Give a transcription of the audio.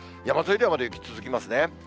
山沿いではまだ雪続きますね。